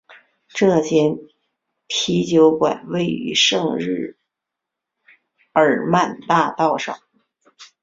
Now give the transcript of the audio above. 这间啤酒馆位于圣日耳曼大道上。